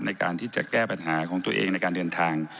ในการที่จะแก้ปัญหาของตัวเองในการเดินทาง